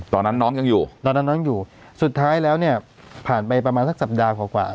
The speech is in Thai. ตอนนั้นน้องยังอยู่ตอนนั้นน้องอยู่สุดท้ายแล้วเนี่ยผ่านไปประมาณสักสัปดาห์กว่ากว่า